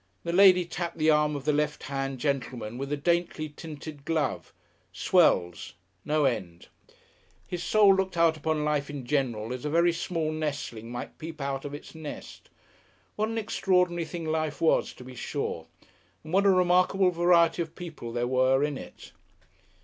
The lady tapped the arm of the left hand gentleman with a daintily tinted glove. Swells! No end.... His soul looked out upon life in general as a very small nestling might peep out of its nest. What an extraordinary thing life was, to be sure, and what a remarkable variety of people there were in it!